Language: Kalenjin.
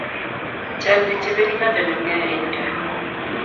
chang pik che pendi katholik nea en gaa